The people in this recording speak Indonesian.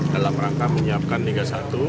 dalam rangka menyiapkan liga satu